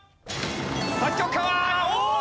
作曲家はおっ！